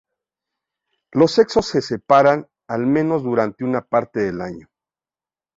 Los sexos se separan al menos durante una parte del año.